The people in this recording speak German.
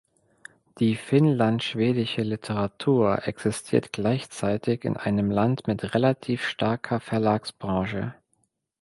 Die finnlandschwedische Literatur existiert gleichzeitig in einem Land mit relativ starker Verlagsbranche.